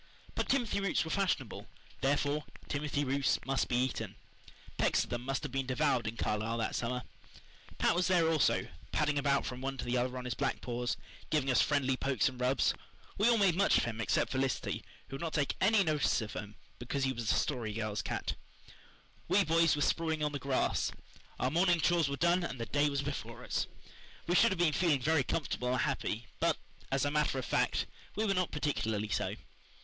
But timothy roots were fashionable, therefore timothy roots must be eaten. Pecks of them must have been devoured in Carlisle that summer. Pat was there also, padding about from one to the other on his black paws, giving us friendly pokes and rubs. We all made much of him except Felicity, who would not take any notice of him because he was the Story Girl's cat. We boys were sprawling on the grass. Our morning chores were done and the day was before us. We should have been feeling very comfortable and happy, but, as a matter of fact, we were not particularly so.